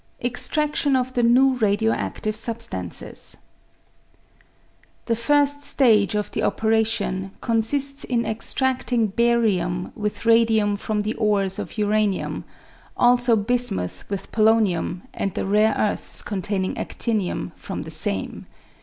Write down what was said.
Extraction of the New Radio active Substances. The first stage of the operation consists in extrading barium with radium from the ores of uranium, also bismuth with polonium and the rare earths containing adinium from the same.